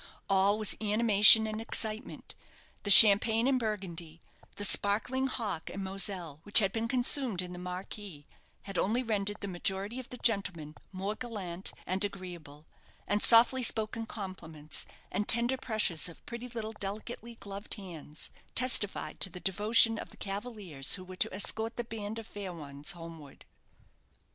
All was animation and excitement. The champagne and burgundy, the sparkling hock and moselle, which had been consumed in the marquee, had only rendered the majority of the gentlemen more gallant and agreeable; and softly spoken compliments, and tender pressures of pretty little delicately gloved hands, testified to the devotion of the cavaliers who were to escort the band of fair ones homeward.